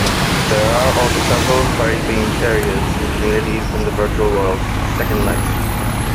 There are also several furry-themed areas and communities in the virtual world "Second Life".